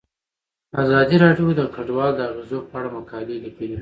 ازادي راډیو د کډوال د اغیزو په اړه مقالو لیکلي.